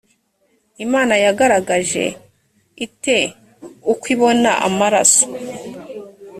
imana yagaragaje ite uko ibona amaraso